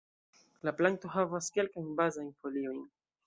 La planto havas kelkajn bazajn foliojn.